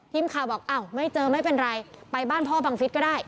ทีมข่าวบอกอ้าวไม่เจอไม่เป็นไรไปบ้านพ่อบังฟิศก็ได้